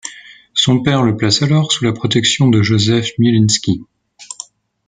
Son père le place alors sous la protection de Józef Mielżyński.